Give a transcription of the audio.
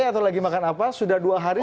atau lagi makan apa sudah dua hari